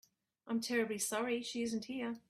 I'm terribly sorry she isn't here.